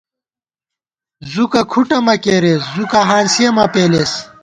زُکہ کھُٹہ مہ کېرېس ، زُکا ہانسِیَہ مہ پېلېس